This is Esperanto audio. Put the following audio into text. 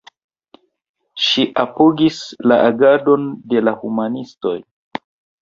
Ŝi apogis la agadon de la humanistoj.